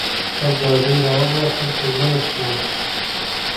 ته ګاډی راوباسه چې لاړ شو